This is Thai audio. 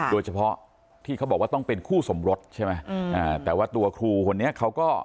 โดยเฉพาะที่เขาบอกว่าต้องเป็นคู่สมรสใช่ไหม